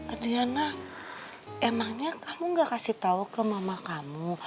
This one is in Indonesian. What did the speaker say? adriana emangnya kamu gak kasih tau ke mama kamu